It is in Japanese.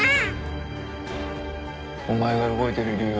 お前が動いてる理由はなんだ？